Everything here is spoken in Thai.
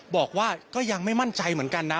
บอกว่าก็ยังไม่มั่นใจเหมือนกันนะ